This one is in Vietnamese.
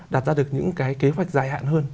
đặt ra được những cái kế hoạch dài hạn